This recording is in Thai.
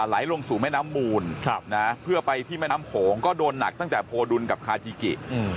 ไหลลงสู่แม่น้ำมูลเพื่อไปที่แม่น้ำโขงก็โดนหนักตั้งแต่โพดุลกับคาจิกิ